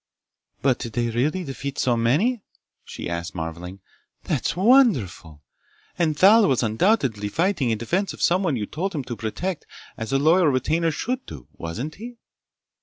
"But did they really defeat so many?" she asked, marveling. "That's wonderful! And Thal was undoubtedly fighting in defense of someone you'd told him to protect, as a loyal retainer should do. Wasn't he?"